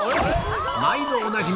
毎度おなじみ